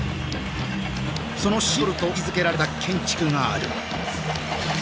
そのシンボルと位置づけられた建築がある。